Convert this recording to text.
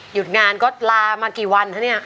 หยุดงานก็ลามากี่วันคะเนี่ย